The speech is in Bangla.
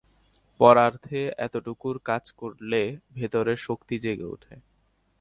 পরার্থে এতটুকু কাজ করলে ভেতরের শক্তি জেগে ওঠে।